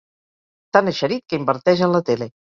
Tan eixerit que inverteix en la tele.